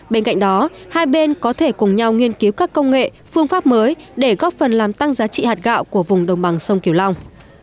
bên cạnh đó hai bên có thể cùng nhau nghiên cứu các công nghệ phương pháp mới để góp phần làm tăng giá trị hạt gạo của vùng đồng bằng sông kiều long